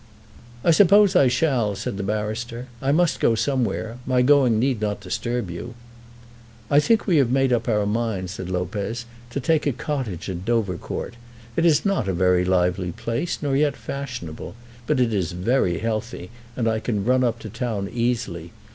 "I suppose I shall," said the barrister. "I must go somewhere. My going need not disturb you." "I think we have made up our mind," said Lopez, "to take a cottage at Dovercourt. It is not a very lively place, nor yet fashionable. But it is very healthy, and I can run up to town easily.